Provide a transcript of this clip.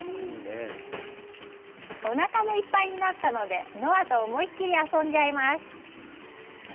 おなかもいっぱいになったのでノアと思いっきり遊んじゃいます！